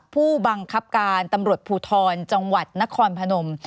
ผู้บังคับการตำรวจภูทรจังหวัดนครพนม